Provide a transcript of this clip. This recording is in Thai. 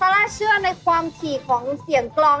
ล่าเชื่อในความถี่ของเสียงกลอง